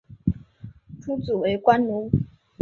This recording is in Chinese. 诸子为官奴。